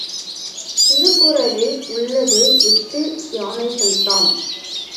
திருக்குறளில் உள்ளதே எட்டு யானைகள்தாம்.